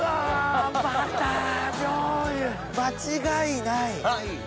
間違いない！